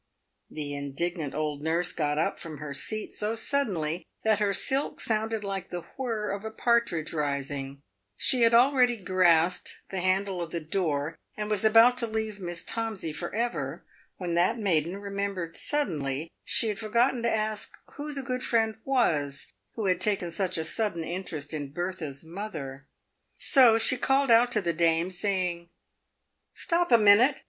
The indignant old nurse got up from her seat so suddenly, that her silk sounded like the whirr of a partridge rising. She had al ready grasped the handle of the door, and was about to leave Miss Tomsey for ever, when that maiden remembered suddenly she had forgotten to ask who the good friend was who had taken such a sudden interest in Bertha's mother. So she called out to the dame, saying, " Stop a minute